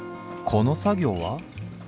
この作業は？